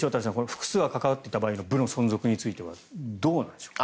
複数が関わっていた場合の部の存続についてはどうなんでしょう。